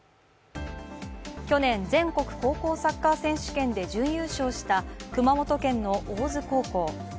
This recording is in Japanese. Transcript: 去年、全国高校サッカー選手権で準優勝した熊本県の大津高校。